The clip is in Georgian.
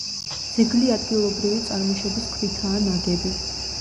ძეგლი ადგილობრივი წარმოშობის ქვითაა ნაგები.